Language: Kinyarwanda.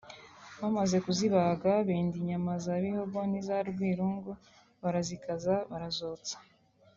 bamaze kuzibaga benda inyama za Bihogo n’iza Rwirungu barazikaza ( barazotsa)